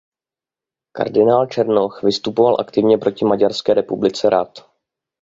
Kardinál Černoch vystupoval aktivně proti Maďarské republice rad.